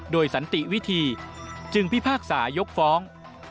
โดยสันติวิธีจึงพิพากษายกฟ้อง